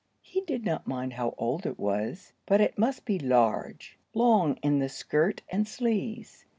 He did not mind how old it was, but it must be large; long in the skirt and sleeves.